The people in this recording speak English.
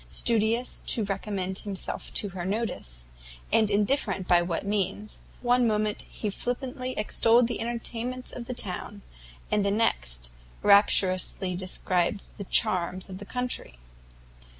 Studious to recommend himself to her notice, and indifferent by what means, one moment he flippantly extolled the entertainments of the town; and the next, rapturously described the charms of the country.